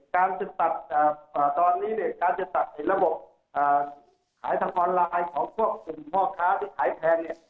การจะตัดตอนนี้เนี่ยการจะตัดระบบขายทางออนไลน์ของพวกกลุ่มพ่อค้าที่ขายแพงเนี่ย